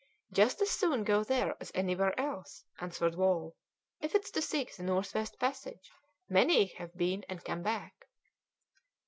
"Just as soon go there as anywhere else," answered Wall. "If it's to seek the North West passage, many have been and come back."